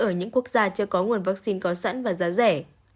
ở những quốc gia chưa có nguồn vaccine có sẵn và giá rẻ